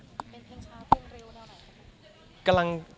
ก็มีไปคุยกับคนที่เป็นคนแต่งเพลงแนวนี้